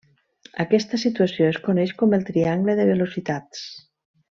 Aquesta situació es coneix com el triangle de velocitats.